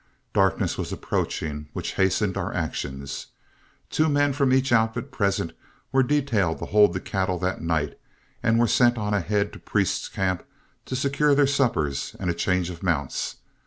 Darkness was approaching, which hastened our actions. Two men from each outfit present were detailed to hold the cattle that night, and were sent on ahead to Priest's camp to secure their suppers and a change of mounts.